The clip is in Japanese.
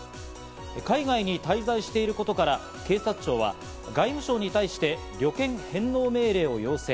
海外に滞在していることから、警察庁は外務省に対して、旅券返納命令を要請。